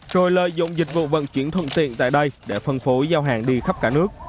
rồi lợi dụng dịch vụ vận chuyển thuận tiện tại đây để phân phối giao hàng đi khắp cả nước